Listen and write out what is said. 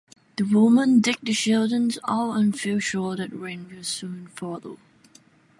The women dig the children out and feel sure that rain will soon follow.